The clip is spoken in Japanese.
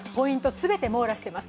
全て網羅しています。